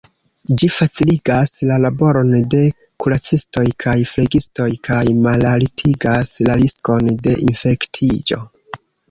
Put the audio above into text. Ĝi faciligas la laboron de kuracistoj kaj flegistoj, kaj malaltigas la riskon de infektiĝo.